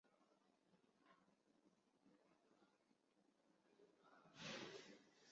童坊镇是中国福建省龙岩市长汀县下辖的一个镇。